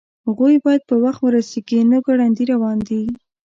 هغوی باید په وخت ورسیږي نو ګړندي روان دي